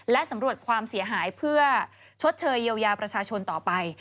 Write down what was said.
และสำรวจความเสียหายเพื่อชดเชยเยียวยาประชาชนต่อไป